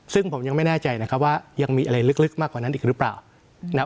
ซึ่งผมยังไม่แน่ใจว่ายังมีอะไรลึกมากกว่านั้นอีกหรือเปล่า